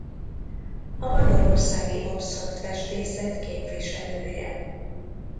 A magyarországi absztrakt festészet képviselője.